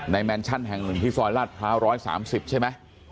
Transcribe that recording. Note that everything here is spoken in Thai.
ในแมนชั่นแห่งหนึ่งที่ซอยลัด๕๓๐ใช่ไหม